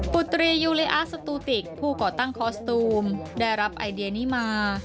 ตรียูลิอาร์สตูติกผู้ก่อตั้งคอสตูมได้รับไอเดียนี้มา